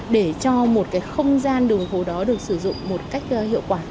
để cho một cái không gian đường hồ đó được sử dụng một cách hiệu quả